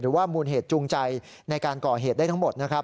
หรือว่ามูรแหตุจูงใจในก่อเหตุได้ทั้งหมด